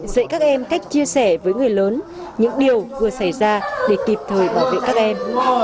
dạy các em cách chia sẻ với người lớn những điều vừa xảy ra để kịp thời bảo vệ các em